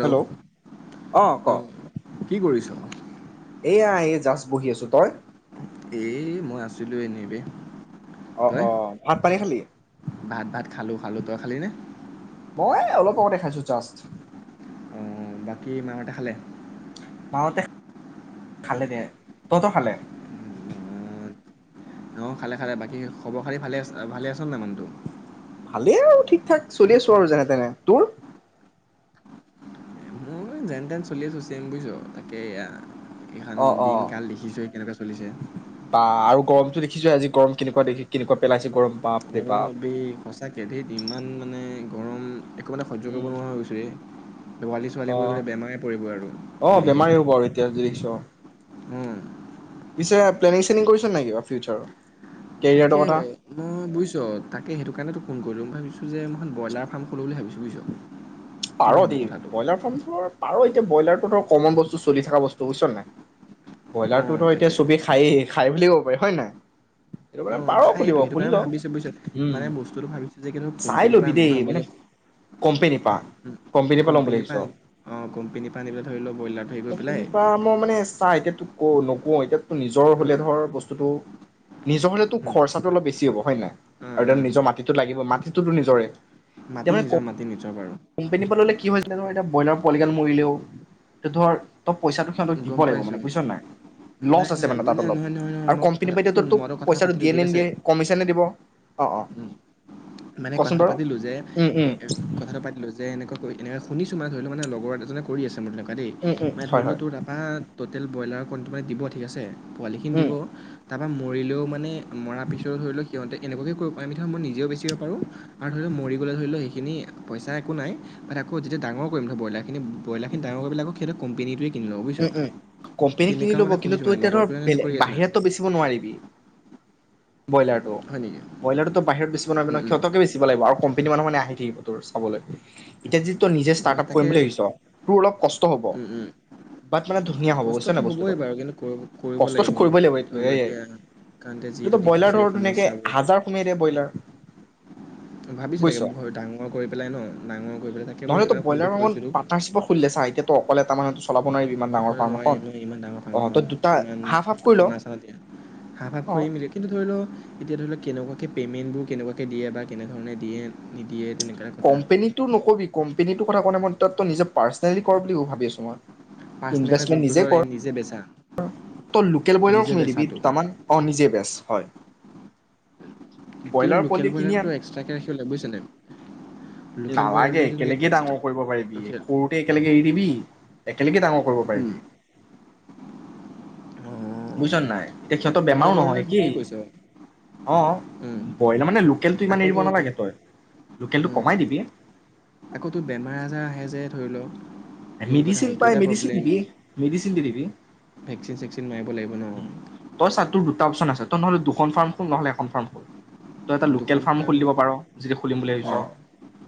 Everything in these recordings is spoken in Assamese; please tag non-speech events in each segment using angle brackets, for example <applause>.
হেল্ল' অ', অঁ ক' কি কৰিছ এয়া আহ জাষ্ট বহি আছোঁ, তই? এ মই আ লৈনি বেঃ। অ তই? অ ভাত পানী খালি ভাত ভাত খালোঁ। খালোঁ তই খালিনে? মই অলপ অগতে খাইছো জাষ্ট। উ বাকী মাহতে খালে? মাঅতে খালে দে, তহ্ত খালে? উম, অঁ খালে খালে বাকী খবৰ খাতি ভালে আচ ভালে আছ নাই মানুহটো? ভালেইআৰু ঠিকঠাক চলি আছো আৰু যেনেতেনে তোৰ? মই যেনতেন চলি আছো চেম বুইছ, তাকে এয়া। এইখান অ অ দিনকাল দেখিছই কেনেকে চলিছে। বা আৰু গৰমটো আজি গৰম কেনেকুৱা দেখি কেনেকুৱা পেলাইছে গৰম বাপ অ বে সঁচাকে ধেৎ ইমান মানে। একোমানে সহ্যকৰিব উম নোৱাৰা হৈ গৈছো ৰে। পোৱালী অ ছোৱালীবোৰ বোলে বেমাৰে পৰিব আৰু অ যি বেমাৰী দেখিছোঁ। হ'ব আৰু এতিয়া যদি দেখিছ হো। পিছে প্লেনিং চেনিং কৰিছ নাই কিবা ফিউচাৰৰ? তাকে, কেৰিয়াৰটোৰ কথা মই বুইছ তাকে সেইটো কাৰনে তোক ফোন কৰিলো মই ভাবি যে মই ব্ৰইলাৰ ফাৰ্ম খোলো বুলি ভাবিছো। <unintelligible> পাৰ দেই ব্ৰইলাৰ ফৰ্মফ্লৰ পাৰই। ব্ৰইলাৰটোত কমন বস্তু চলি থকা বস্তু বুইছ নাই? অঁ ব্ৰইলাৰতোতো এতিয়া তাকে চবেই খায়েই খাই বুলিও ৱেহয় নাই? সেইটো উ কাৰণে পাৰ খুলিব খায়তো সেইটো খুলি ল কাৰণে ভাবিছে বুজিছ, উম মানে বস্তুটো ভাবিছে যে চাই কোম্পনীৰ পা লবি আনোহা বুজ। কম্পেনী পৰা লম বুলি ভাবিছ? কোম্পেনীৰ পৰা আনি পেলাই ধৰি লও ব্ৰইলাৰটো হেৰি কৰি পেলাই কম্পেনী পা মই মানে চা এতিয়া তোক ক নক কএটত নিজৰ উম হ'লেধৰ বস্তুটো নিজৰ হ'লেতো উম খৰচাটো অলপ বেছি হ'ব হয়নাই? উম আৰু দান উম নিজৰ মাটিটো লাগিব মাটিটোতো নিজৰে। মাটি নিজৰ মাতিনি যাবাৰ কম্পেনী পলালে কি হয় জানোএতিয়া ব্ৰইলাৰ পোৱালিগাল মৰিলেও, এতধৰ ত পইচাটো সিহঁতক গম দিব্ব লাগিব পাইছোঁ। মানে বুইছ নাই, লচ্ নাই নাই আছে নাই মানে তাত অলপ নহয় নহয় নহয় আৰু মই কথা কোম্পেনী পা শুন এতিয়া মই তোক কথা পইচাটো পাতিলোঁ দিয়ে ঠিক নে আছে নিদিয়ে, কমিছনহে দিব। অ অ। উম মানে কচোন কথাটো বাৰু পাতিলো যে এ উম উম এ কথাটো পাতিলো যে এনেকৈ ক এনেকে শুনিছো মানে ধৰি ল মানে লগৰএজনে কৰি আছে। থকাদেই, উম উম মানে হয় ধৰি ল হয় তোৰ তাপা টোটেল ব্ৰইলাৰ ফোনটো মানে দিব ঠিক আছে। পোৱালি খিনি উম দিব। তাৰপৰা মৰিলেও মানে মৰাৰ পিছতো ধৰি লওঁক সিহঁতেহঁ এনেকুৱাকেও কৰিব পাৰে মিঠা মই নিজেও বেছি খিনি পইচা একো নাই মানে আকৌ যেতিয়া ডাঙৰ কৰিম নহয় ব্ৰইলাৰখিনি ব্ৰইলখিনি ডাঙৰ কৰি পেলাই আকৌ সিহঁতৰ কম্পেনীটোৱে উম উম কোম্পেনি কিনি ল'ব কিন্তু শুনিছোঁ তই মানে এতিয়া ধৰ লগৰটোৱে এনেকৈ বেলে কৰি আছে না বাহিৰততো বেচিব নোৱাৰিবি? ব্ৰইলাৰটো হয় নেকি ব্ৰইলাৰটো তই বাহিৰত বেচিব নোৱাৰিবি নহয় উম সিহঁতকে বেচিব লাগিব আৰু কম্পানিৰ মানুহ মানে আহি কি বতৰ চাব লাগিব, এতিয়া যি তই নিজে উম ষ্টাৰ্ট আপ তাকে কৰিম বুলি ভাবিছ, তোৰ অলপ কষ্ট হ'ব। উম উম বাত মানে ধুনীয়া হ'ব বুজিছনে কষ্টটো নাই হ'বই বস্তুটো। বাৰু কিন্তু কৰিব কৰিব কষ্টটো কৰিবই লাগিব এইটো ধৰি লও এইয়াই, এতিয়া কাৰণতে যিহেতু এতিয়াটো দেখিছোঁ ব্ৰইলাৰটো এই আৰু ধুনীয়াকে সমস্যাবোৰ হাজাৰ সুমুৱাই দিয়ে ব্ৰইলাৰ। ভাবিছোঁ তাকে বুজিছ ডাঙৰ কৰি পেলাই ন, ডাঙৰ কৰি পেলাই তাক নহ'লে তই ব্ৰইলাৰ ফাৰ্ম পাৰ্টনাৰশ্বিপত খুলি দে চা, এতিয়া ত অকলে তাৰমানে অকলে নোৱাৰি ন? ইমান ডাঙৰ অ ফাৰ্মখন, তই দুটা কিমান হাফ হাফ কৰি ল খানা-চানা দিয়া, হাফ-হাফ অ কৰি মিলে কিন্তু ধৰি ল, এতিয়া ধৰি ল, কেনেকুৱাকৈ পে'মেণ্টবোৰ কেনেকুৱাকৈ দিয়ে বা কেনেধৰণে দিয়ে-নিদিয়ে। কম্পেনী টো নকবি কম্পেনী কথা কওঁতে মই তাত তই নিজে পাৰ্চনেলি কৰ বুলি ভাবি আছো মই। পাৰ্চনেলি মানে ইনভেষ্টমেণ্ট যোনটো ধৰ কৰ নিজে বেচা। তই লোকেল ব্ৰইলাৰো নিজে কিনি দিবি বেচাটো দুটামান। অ', নিজে বেচ হয়। কিন্তু ব্ৰইলাৰ লোকেল পোৱালি কিনি আন ব্ৰইলাৰটোতো এক্সট্ৰাকে ৰাখিব লাগে বুজিছ নে নাই? নালাগে একেলগে ডাঙৰ কৰিব পাৰিবি, লোকেল সৰুতে একেলগে এৰি দিবি। একেলগে ডাঙৰ কৰিব পাৰিবি। অঁ বুজিছ নাই, এতিয়া সিহঁতৰ কথাটো বেমাৰো বাৰু নহয়, তই কি? ঠিকেই কৈছ। অ', উম, ব্ৰইলাৰ মানে লোকেলটো ইমান আকৌ এৰিব ধৰি ল নালাগে তই, লোকেলটো উম, কমাই দিবি। আকৌ তোৰ বেমাৰ আজাৰ আহে যে ধৰি লওঁক? মেডিচিন পাই মেডিচিন দিবি, মেডিচন দি দিবি। ভেকচিন-চেকচিন মাৰে। উম। তই চা, তোৰ দুটা অপচন আছে। নহ'লে দুখন ফাৰ্ম খোল, নহ'লে এখন ফাৰ্ম খোল। তই এটা লোকেল ফাৰ্ম খুলি দিব পাৰ যিটো খুলিম বুলি ভাবিছ। অ'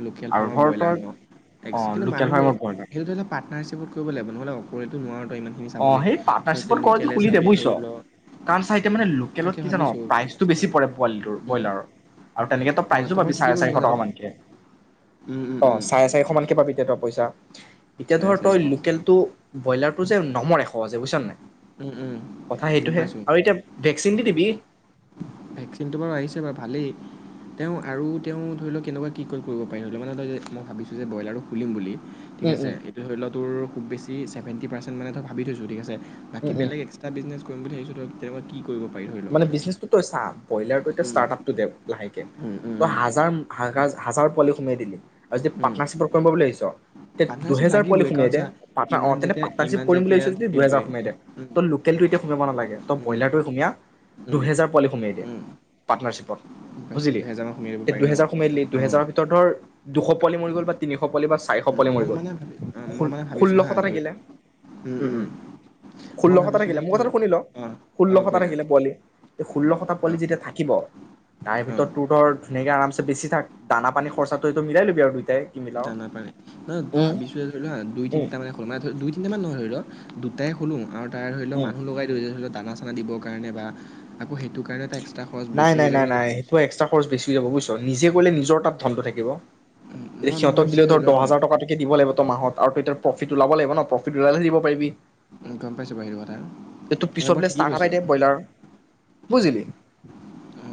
লোকেল আৰু ফাৰ্মৰ ধৰ ব্ৰইলাৰ তই ন। এক্স অঁ কিন্তু লোকেল মানুহ ফাৰ্মৰ ব্ৰইলাৰ সেইটো <unintelligible> কৰিব লাগিব। নহ'লে অকলে টো নোৱাৰো। অ সেই পাৰ্টনাৰশ্বিপত ক'ৰ যদি খুলি দে চাবি বুজিছ। ধৰি ল কাৰণ চা এতিয়া মানে তাকে লোকেলত কি জান ভাবিছোঁ প্ৰাইচটো পাৰ্টনাৰশ্বিপত বেছি পৰে পোৱালিটোৰ উম। ব্ৰইলাৰৰ আৰু তেনেকে তই অ' প্ৰাইজো বাৰু পাবি ঠিকেই চাৰে কৈছ চাৰিশ টকা কথাটো মানকে। উম, উম, অ উম। চাৰে চাৰিশ মানকে পাবি তই পইচা। এতিয়া চাৰে ধৰ তই চাৰিশ লোকেলটো ব্ৰইলা <unintelligible> নমৰে সহজে বুইছ নে নাই। উম, উম, কথা গম সেইটোহে। পাইছোঁ। আৰু এতিয়া ভেকচিনটো দিবি। ভেকচিনটো বাৰু আহিছে বাৰু ভালেই। তেওঁ আৰু তেওঁ ধৰি লওক কেনেকুৱা কি কয় কৰিব পাৰি? ধৰি লওক মানে ধ মই ভাবিছোঁ যে ব্ৰইলাৰটো খুলিম বুলি ঠিক উম আছে। উম এইটো ধৰি ল টোৰ খুব বেছি <unintelligible> চেভেটি পাৰ্চেণ্ট মানে এটা ভাবি থৈছোঁ ঠিক আছে। উম উম বেলেগ এক্সট্ৰা বিজনেছ কৰিম বুলি ভাবিছ তই তেনেকুৱা কি কৰিব পাৰি ধৰি মানে লওক বিজনেচটো তই চা, ব্ৰইলাটো এতিয়া উম ষ্টাৰ্টআপটো দে লাহেকে, উম উম তই উম হাজাৰ হাজা হাজাৰ পোৱালি সোমিয়াই দিলি আৰু যদি উম পাৰ্টনাৰশ্বিপত কম বুলি ভাবিছ তে পাৰ্টনাৰশ্বিপ দুহেজাৰ পোৱালি লাগিবই কাৰণ সোমিয়াই দে। চা পাৰ্টনাৰ অ ইমান তেন্তে যেতিয়া পাৰ্টনাৰশ্বিপ ইমান কৰিম বুলি যেতিয়া যদি দুহেজাৰ থাকিবই সোমিয়াই দে। উম তই লোকেলটো এতিয়া সোমিয়াব নালাগে তই উম ব্ৰইলাৰটোৱে সোমিয়া। উম দুহেজাৰ পোৱালি সোমিয়াই দিয়া উম পাৰ্টনাৰশ্বি গম পাইছোঁ, বুজিলি, দুহেজাৰমান সোমিয়াই দিব পাৰি ন দুহেজাৰ সোমিয়াই দিলি অ দুহেজাৰৰ ভিতৰত ধৰ দুশ পোৱালি মৰি গ'ল বা তিনিশ পোৱালি বা চাৰিশ পোৱালি মৰি মই গ'ল, মানে ভাবি অঁ মই ষোল্ল মানে ভাবিছোঁ হা ষোল্লশটা ধৰি থাকিলে, লওক উম উম মই ষোল্লশটা ভাবিছোঁ যে থাকিলে কি মোৰ কথাটো ধৰি শুনি ল, অ অ ষোল্লশটা কৈ যা থাকিলে পোৱালি ষোল্লশটা পোৱালি যেতিয়া থাকিব তাইৰ অ অ ভিতৰত তোৰধৰ ধুনীয়াকে আৰামছে বেচি থাক দানা পানী খৰচটোতটো টো মিলাই লবি আৰু দুই দানা -পানী, ন ভাবিছো যে ধৰি লোৱা দুই উম তিনিটা মানে <unintelligible> দুই তিনিটা মান নহয় ধৰি লোৱা দুটাই হলোঁ আৰু তাই ধৰিও উম। মানুহ লগাই ধৰিলে <unintelligible> দানত দিবৰ কাৰণে বা আকৌ সেইটো কাৰণে এটা এক্সট্ৰা খৰচ নাই বেছি হৈ নাই নাই যাব নেকি নাই ভাবিছোঁ। সেইটো এক্সট্ৰা খৰচ বেছি হৈ যাব বুজিছ নিজে কৰিলে নিজৰ তাত ধনটো থাকিব। নহয় মই সিহঁতক ভাবিছোঁ দিলে ধৰি ধৰ লও দহ হাজাৰ টকাকে দিব লাগিব তই মাহত আৰু ত এতিয়া প্ৰফিট ওলাব লাগিব ন প্ৰফিট ওলালেহে দিব পাৰিবি। অ', গম পাইছো ভাই সেইটো কথা। এইটো তই পিছত বাৰু বোলে ঠিকেই ষ্টাৰ্ট কৈছ আপ আই দে ব্ৰইলাৰৰ, বুজিলি?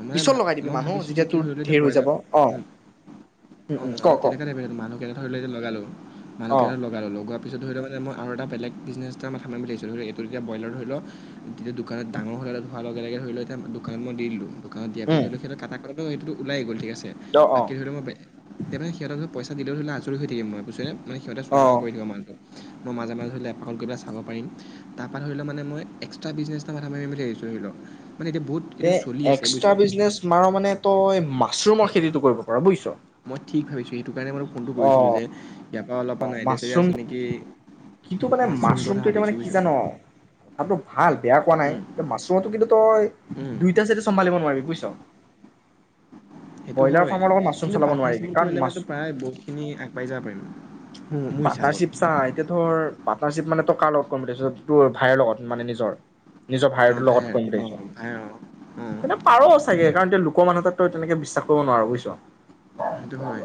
মে পিছত ভাব‌ লগাই দিবি মই মানুহ ভাবিছোঁ যে যেতিয়া কি তোৰ ভাবিলো এতিয়া ধেৰ হৈ ব্ৰইলাৰ যাব অ উম ও, উম ক অ', ক তেনেকুৱাই লাগিব <unintelligible> লগালোঁ। মানুহ অ কেইজন মান লগাই ললো- পিছত ধৰি ল মানে মই আৰু এটা বেলেগ বিজনেছ এটা মাঠা মাৰিম বুলি ভাবছিলো। এ এইটো এতিয়া ব্ৰইলাৰ ধৰি ল তেতিয়া দোকানত ডাঙৰ হৈ অহা লগে লগে ধৰি ল এতিয়া দোকানত মই দি দিলোঁ। দোকানত দিয়াটো উম ধৰি ল <unintelligible> <unintelligible> অ অ বাকী ধৰি ল মই <unintelligible> পইচা দিলেও ধৰিল আজৰি হৈ থাকিম মই বুইছনে? মানে সিহঁতে চোৱা অ কৰা কৰি দিব মানে তোক। মই মাজে মাজে ধৰি ল এপ খন কিবা চাব পাৰিম। তাৰ পৰা ধৰি ল মানে মই এক্সট্ৰা বিজনেছ এটা মাঠা মাৰিম বুলি ভাবিছোঁ ধৰি ল। মানে এতিয়া বহুত এইটো তে চলি আছে। বুজিছ <unintelligible> বিজনেছ মাৰ মানে ত মাছৰুমৰ খেতিটো কৰিব পাৰ, বুইছ! মই ঠিক হৈছে। সেইটো কাৰণে মই ফোনটো কৰিছিলোঁ যে ইয়াৰ পৰা অলপমান অ', আইডিয়া চাইডিয়া আছে মাছৰুম, নেকি কিন্তু <unintelligible> কথা মাছৰুমটো এতিয়া ভাবিছোঁ মানে কি বুজিছ জান, কথাটো ভাল বেয়া কোৱা নাই, উম মাছৰুমতো কিন্তু তই উম দুইটা চাইদে চম্ভালিব নোৱাৰিবি বুইছ? সেইটো ব্ৰইলাৰ হয় ফাৰ্মৰ লগত মাছৰুম কিন্তু চলাব নোৱাৰিবি, পাৰ্টনাৰশ্বিপত কাৰণ কৰিলে মাছ মানে প্ৰায় বহুতখিনি আগবাঢ়ি যাব পাৰিম মোৰ মোৰ হিচাপত পাৰ্টনাৰচিপ চা এতিয়া ধৰ পাৰ্টনাৰশ্বিপ মানে ত কাৰ লগত কম পঠাইছো তোৰ ভাইৰ লগত মানে নিজৰ নিজৰ অঁ ভাইটোৰ ভাই লগত অঁ ভাই অঁ অঁ <unintelligible> তেনে পাৰ চাগৈ কাৰণ এতিয়া লোকৰ মানুহ আৰু তেনেকে বিচ্ <unintelligible> বুইছ? সেইটো হয়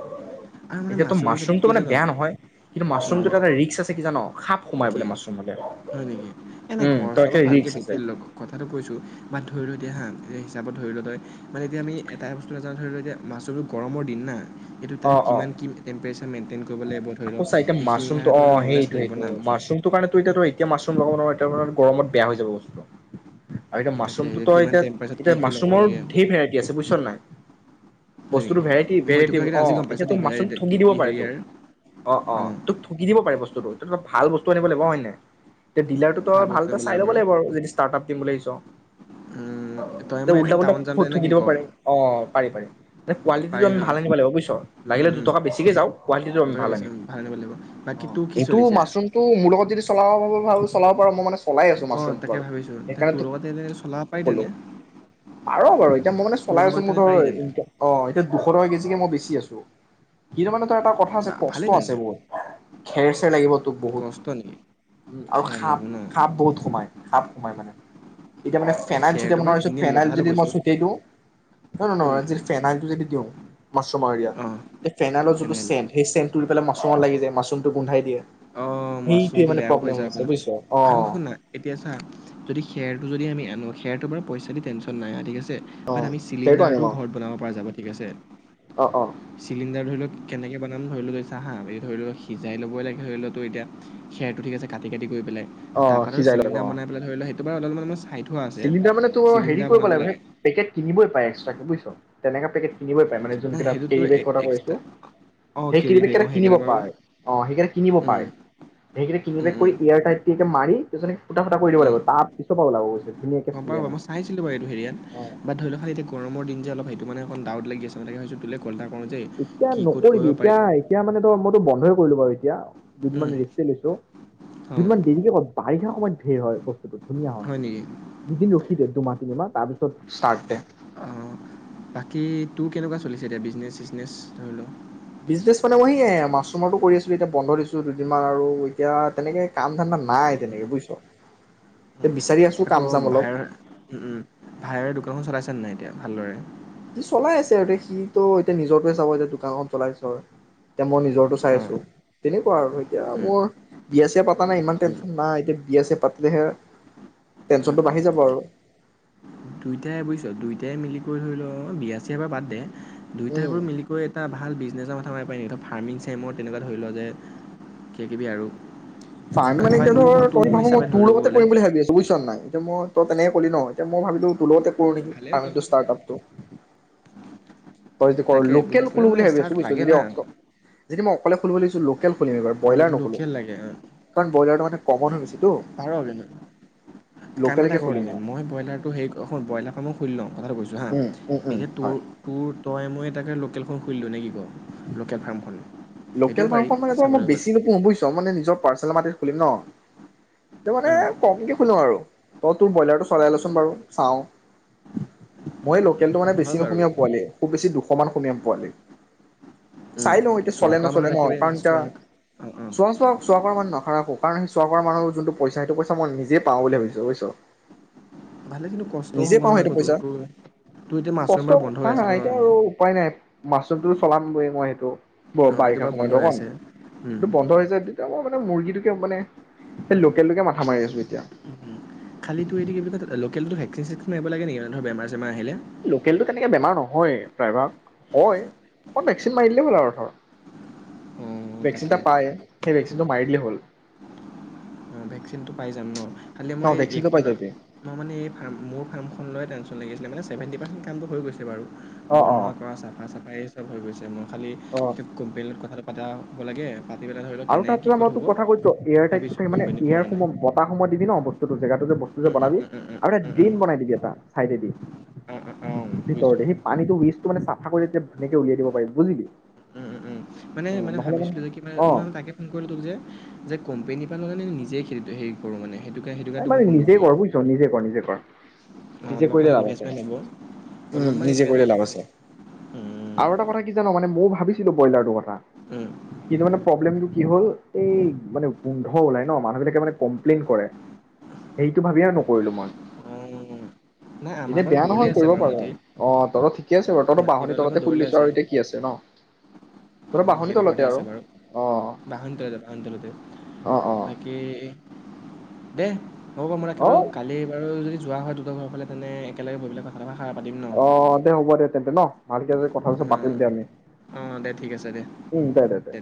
আৰু মানে এতিয়াতো মাছৰুমৰ ক্ষেত্ৰত মাছৰুমটো কি মানে জান বেয়া নহয়, কিন্তু মাছৰুমটো উম, এটা ৰিস্ক আছে চ কি জান? সাপ সোমাই কি বোলে মাছৰুম হলে হয় নেকি? এ নাই উম ঘৰ তই একে চবৰ ভালকে ৰিক্স আছে <unintelligible> কথাটো কৈছো, বা ধৰিলো এতিয়া হা হিচাপত ধৰি ল তই মানে এতিয়া আমি এটা বস্তু <unintelligible> ধৰি ল এতিয়া <unintelligible> গৰমৰ দিন না। এইটো তাৰে অ অ কিমান কি টেম্পেৰেচাৰ মেইনটেইন ক <unintelligible> ধৰি ল সঁচা সেইখিনিৰ কাৰণে তোৰ এটা নলেজ লাগিব না বস্তু মাচৰুমটো <unintelligible> এতিয়া মাছৰুম লগাব নোৱাৰ এতিয়া <unintelligible> গৰমত বেয়া হৈ যাব বস্তুটো। আৰু এতিয়া তাকে মাছৰুমটো তই কিমান এতিয়া টেম্পাৰেচাৰত কি এতিয়া কি লগাব মাছৰুমৰ লাগে ঢেৰ ভেৰাইটি আছে বুজিছ নাই? হয় বস্তুটো নেকি? ভেৰাইটি মই এইটো ভেৰাইটি কথা কিন্তু অ আজি গম এতিয়া পাইছোঁ তক দেই মাছৰুম ভেৰাইটি কি ঠগি দিব কি পাৰে তোক। হেৰিয়াৰ অ', অ', অঁ তোক ঠগি দিব পাৰে বস্তুটো। ত ত ভাল বস্তু আনিব লাগিব <unintelligible> তে ডিলাৰটোতো আও ভাল বস্তু ভালকৈ বোলে চাই লব বাৰু লাগিব আৰু যদি ষ্টাৰ্ট আপ দিম বুলি ভাবিছ। উম, তই তে মই উল্টা এদিন পাল্লা টাউন যাম দে নে কি ক? <unintelligible> পাৰে, অ পাৰি পাৰি। কোৱালিটিটো পাৰি আমি ন? ভাল আনিব লাগিব বুজিছ? উম লাগিলে উম দুটকা বেছিকে যাওঁক। <unintelligible> দুটাকে ভাল বেছি লাগে আনিব লাগিব অ বাকী তোৰ কি এইটো চলিছে? মাচৰুমটো মোৰ লগত যদি চলাৱ <unintelligible> ভাল চলাব পাৰ' মোৰ মানে, চলাই আছো অ মাছৰুমটো তাকে বাৰু ভাবিছো তে সেইকাৰনে তোৰ তোক লগত তেনে চলাব পাৰি কলো তেনে পাৰ বাৰু এতিয়া মই মানে তোৰ চলাই আছো লগত মোৰ তেনে ধৰ পাৰি এ তেনে অ এতিয়া দুশ টকা কেজিকে মই বেছি আছো। <unintelligible> কথা আছে বা কষ্ট ভালেই আছে তেনে বহুত খেৰ চেৰ লাগিব। বহুত কষ্ট নেকি উম আৰু খেৰ সাপ লাগিব ন সাপ বহুত সোমাই সাপ সোমাই মানে, এতিয়া মানে এই ফেনাইল খেৰটো ছটিয়াব বাৰু নোৱাৰা হৈছোঁ কিনি ললো ফেনাইল কথাটো যদি মই কৈছো ছটিয়াই দিওঁ। ন নহ উম নহয় যদি ফেনাইলটো যদি দিওঁ অ <unintelligible> এই ফেনাইল যো <unintelligible> সেই চেনটোৰি পেলাই মাচৰুমত লাগি যায় মাচৰুমটো গোন্ধাই দিয়ে। অ সেইটোৱে মাছৰুমতটো মানে বেয়াও হৈ প্ৰব্লেম যাব হৈছে ন বুজিছ অ আৰু শুনা এতিয়া চা যদি খেৰটো যদি আমি আনো সেৰটো বাৰু পইচা দি টেনশ্যন নাই ঠিক আছে। বাট আমি সেইটো আনিম চিলিণ্ডাৰটো আৰু ঘৰত বনাব পৰা যাব। ঠিক আছে। অ অ চিলিণ্ডাৰ ধৰি ল কেনেকে বনাম ধৰি ললো চা হাঁ এ ধৰি ললো সিজাই ল'বই লাগে ধৰি ল তোৰ এতিয়া, খেৰটো ঠিক আছে কাটি কাটি কৰি পেলাই অ তাৰপৰা ধৰ সিজাই ল'ব ছিলিণ্ডাৰ অ বনাই পেলাই ধৰি লও সেই তোমাৰ অলমান মছ চিলিণ্ডাৰ মানে তোৰ হেৰি কৰিব লাগিব সেই পেকেট কিনিবই পায় এক্সট্ৰাকে, বুজিছোঁ, তেনেকা পেকেট কিনিবই পায়, মানে নাই জোনকেইটা সেইটোতো কেৰীবেগ কথা কৈ এক্সট্ৰা আছোঁ। অঁ সেই কেৰি বেগ কেৰীবেগকেইটা অঁ কিনিব সেইকেইটা বাৰু পায়। অ', সেইকেইটা কিনিব উম, পায়। সেইকেইটা উম, কিনিবেগ কৰি উম, ইয়াৰ টাইট কে মাৰি <unintelligible> ফুটা, ফুটা কৰি দিব উম, লাগিব, তাৰ পিচ <unintelligible> ওলাব কৈছে। গম পাওঁ বাৰু, মই চাইছিলোঁ বাৰু এইটো হেৰিয়াত, বাট ধৰি ল <unintelligible> এতিয়া গৰমৰ দিন যে, অলপ সেইটো মানে কন ডাউত লাগি আছে মানে, সেইকাৰণে ভাবিছোঁ তোলৈ কল এটা কৰোঁ যে এতিয়া কি ক'ত কৰিব নকৰিবি। পাৰি এতিয়া, এতিয়া মানে তই, মইতো বন্ধই কৰিলো বাৰু এতিয়া। উম, দুদিনমান ৰেষ্টেই লৈছোঁ। অঁ দুদিনমান দেৰিকে কৰিম। বাৰিষা সময়ত ভিৰ হয় বস্তুটো। ধুনীয়া হয়। দুদিন ৰখি দে, দুমাহ তিনিমাহ তাৰ পিছত ষ্টাৰ্ট দে। অ'। বাকী তোৰ কেনেকুৱা চলিছে এতিয়া, বিজনেচ-চিজনেছ, ধৰি ল? বিজনেছ মানে <unintelligible> মাছৰূম কৰি আছিলো এতিয়া বন্ধ দিছো দুদিনমান আৰু এতিয়া তেনেকে কাম ধান্দা অঁ নাই তেনেকে বুজিছ, উম, তে বিচাৰি আছোঁ আকৌ কাম চাম অলপ। ভাইৰ উম উম ভাইৰে দোকানখন চলাইছেনে নাই এতিয়া ভালদৰে সি চলাই আছে এতিয়া সি টো এতিয়া নিজটোৱে চাব, এতিয়া দোকানখন চলাই আছে। তে মই নিজৰটো চাই অঁ আছো। তেনে আৰু এতিয়া উম মোৰ বিয়া ছিয়া পা প নাই ইমান উম টেনচন নাই এতিয়া। বিয়া ছিয়া পাতিলেহে উম টেনচনটো উম বাঢ়ি যাব আৰু। দুইটাই বুজিছ দুইটাই মিলি কৰি ধৰি লও বিয়া চিয়া এবাৰ বাদ দে। দুইটাই উম বাৰু মিলি কৰি এটা ভাল বিজনেছৰ মাথা মাৰিব পাৰি নেকি, ফাৰ্মিং চাইমিং তেনেকুৱা ধৰি লও যে কিবা কিবি আৰু। ফ্ৰাম মানে ভাবা এতিয়া তোৰ মই ধৰ তোৰ তই মোৰ ভাবো মই হিচাপে ধৰি তোৰ ল'ব লগতে গ'লে কৰিম বুলি ভাবি আছোঁ বুজিছ নাই, এতিয়া মই তই তেনেকে কলি ন এতিয়া মই ভাবিলোঁ তোলতে <unintelligible> নেকি, ভালেই হ'ব আমি টো ষ্টাৰ্টআপটো? তই যদি কৰ' তাকে লোকেল বুজিছ কিবা খুলো বুলি মানে ভাবি আছোঁ ষ্টাৰ্ট বুজিছ, লাগে যদি না <unintelligible> যদি মই অকলে। <unintelligible> লোকেল খুলিম, এইবাৰ। বইলাৰ নোখোলোঁ। লোকেল লাগে কাৰণ বইলাৰটো মানে কমন হৈ গৈছে। পাৰ, কিন্তু কাম এটা লোকেলকে কৰো খুলিম নেকি মই ব্ৰইলাৰটো সেই শুন ব্ৰইলাৰ ফ্ৰামো খুলি লওঁ কথাটো কৈছোঁ হা উম ল, উম উম এতিয়া তোৰ, হয় তোৰ তই মই এটাকে লোকেলখন খুলি দিওঁ নে কি ক'? লোকেল ফাৰ্মখন। সেইটোও লোকেল পাৰি মাংস মানে ত' মই চাবলৈ গ'লে বেছি নুপুহো বুজিছ, মানে নিজৰ পাৰ্চেল মাটিত খুলিম ন? এইটো মানে অঁ কমকে শুনো আৰু। তই তোৰ ব্ৰইলাৰটো চলাই লচোন বাৰু চাওঁ। মই লোক লোকেলটো মানে বেছি হয় বাৰু <unintelligible> পোৱালী। খুব বেছি দুশমান <unintelligible> পোৱালী। উম, চাই লওঁ চোৱা চলে কৰা মানুহ নচলে নহয় ৰাখিবি কাৰণ এতিয়া চোৱা অঁ অঁ চোৱা-চোৱা-চোৱা কৰা মানুহ নাৰাখোঁ কাৰণ সেই চোৱা কৰা মানুৰ যোনটো পইচা সেইটো পইচা মই নিজে পাওঁ বুলি ভাবিছো বুজিছ। ভালে কিন্তু কষ্টও নিজে হ'ব পাওঁ, নহয় সেইটো আকৌ তোৰ পইচা। তোৰ তোৰ এতিয়া মাছৰুম কষ্ট এবাৰ বন্ধ কথা হৈ আছে নাই। ন এতিয়া আৰু উপায় নাই মাছৰুমটো চলাম, <unintelligible> মই সেইটো। ব, অঁ এইটো বাৰিষা বাৰু বন্ধ সময়টো হৈ অকণ। আছে উম, এইটো বন্ধ হৈ যায়, তেতিয়া মই মানে মুৰ্গীটোকে মানে সেই লোকেলটোকে মাথা মাৰি আছো এতিয়া। খালিতো এইটো কি বুলি কয় লোকেলটো ভেকচিন চেকচিন মাৰিব লাগে নেকি ধ বেমাৰ চেমাৰ আহিলে। লোকেলটো তেনেকে বেমাৰ নহয়ে, প্ৰায়ভাগ। হয়, অকণ ভেকচিন মাৰি দিলেই হ'ল আৰু ধৰ। অঁ ভেকচিন এটা পায়। সেই ভেচিনটো মাৰি দিলেই হ'ল। অ', ভেকচিনটো পাই যাম ন! খালি অ মই ভেকচিনটো পাই এইখন, যাবি মই মানে এই, মোৰ ফাৰ্মখন লৈ টেনচন। লাগিছিল মানে ছেভেনটি পাৰ্চেণ্ট কামটো হৈ গৈ বাৰু। অ অ বনোৱা কৰা, চাফা, চাফাই হৈ গৈছে মোৰ খালি, অ <unintelligible> কথা আদা হ'ব লাগে। <unintelligible> ধৰি লওঁক আৰু কেনে তাত কি যে মই ক'ত হ'ব। তোক কথা কৈছো এয়াৰ টাইপটো ভাবিছোঁ থাক মানে কোম্পেনী এয়াৰ কৰে নাই সময় বতাহ সোমোৱা দিবি ন বস্তুটো জেগাটো যে বস্তু যে উম উম বনাবি উম উম আৰু এটা উম উম ড্ৰেইন বনাই দিবি এটা চাইডে দি অঁ অঁ অঁ বুজিছোঁ ভিতৰতে সেই পানীটো ৱেষ্টটো মানে চাফা কৰি ধুনীয়াকে উলিয়াই দিব পাৰি, বুজিলি। উম, উম, উম, মানে অ' মানে নহ'লে ভাবিছিলো যে কি মানে অ' মই তাকে ফোন কৰি তোক যে, যে কোম্পেনীৰ পৰা তই মানে নিজেই খে, হেৰি কৰোঁ মানে। সেইটো কাৰণে সেইটো কাৰণে তোক মই মানে ফোনটো নিজে কৰিলোঁ কৰ বুজিছ, নিজে কৰ নিজে কৰ অঁ নিজে অলপমান কৰিলে লাভ আছে ইনভেষ্টমেণ্ট হ'ব উম, অলপমান নিজে কৰিলে ইনভেষ্টমেণ্ট লাভ আছে হ'ব আৰু এটা কথা কি জানো মানে ময়ো ভাবিছোঁ ব্ৰইলাৰটো কথা উম, কিন্তু মানে প্ৰব্লেম কি হ'ল, এই মানে গোন্ধ ওলাই ন! মানুহবিলাকে মানে কমপ্লেইন কৰে। সেইটো ভাবি আৰু নকৰিলো মই। উম। নাই আমাৰ এনে বাৰু বেয়া দূৰলে নহয় আছে কৰিব বাৰু পাৰ' মাটি, অ', তহঁত ঠিকে আছে বাৰু তহঁত মাটি বাঁহনি অলপমান তলতে খুলি দূৰলে লৈছ আছে। আৰু এতিয়া কি আছে ন'? তহঁত অ' বাঁহনি সেইডোখৰতে তলতে আৰু আছে বাৰু অ', বাহন তলিতে বাহন তলিতে অ', অ। বাকী দে। হ'ব মই ৰাখি বাৰু, অ' কালি বাৰু যদি <unintelligible> অ', দে হ'ব দে তেন্তে ন'। ভালকে যে কথা চলা উম, পাতিলো যে আমি, অ' দে ঠিক আছে দে, উম, দে, দে, দে।